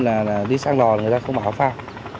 là đi sang đò người ta không mặc áo phao